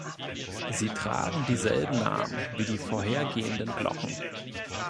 Sie tragen dieselben Namen wie die vorhergehenden Glocken.